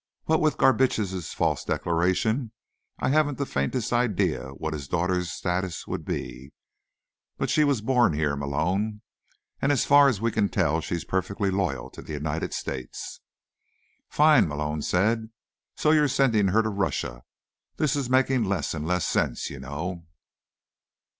What with Garbitsch's false declaration, I haven't the faintest idea what his daughter's status would be—but she was born here, Malone, and as far as we can tell she's perfectly loyal to the United States." "Fine," Malone said. "So you're sending her to Russia. This is making less and less sense, you know."